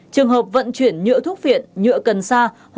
trường hợp vận chuyển nhựa thuốc viện nhựa cần sa